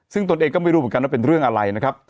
ซึ่งตนเองก็ไม่รู้เหมือนกันว่าเป็นเรื่องอะไรนะครับ